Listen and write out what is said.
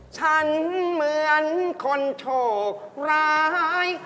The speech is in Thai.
ฉันเหมือนคนโชคร้าย